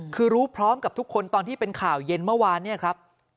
คือรู้พร้อมกับทุกคนตอนที่เป็นข่าวเย็นเมื่อวานเนี่ยครับ